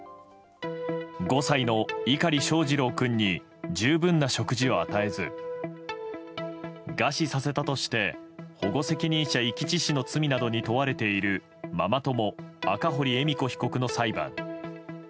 ５歳の碇翔士郎君に十分な食事を与えず餓死させたとして保護責任者遺棄致死の罪などに問われているママ友、赤堀恵美子被告の裁判。